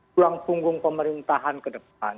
tulang punggung pemerintahan ke depan